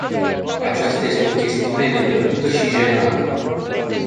Aceasta este o chestiune neplăcută și jenantă.